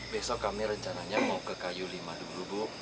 besok kami rencananya mau ke kayu lima dulu bu